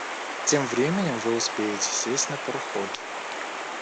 Тем временем вы успеете сесть на пароход.